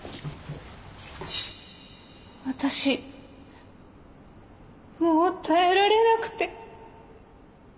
私もう耐えられなくて。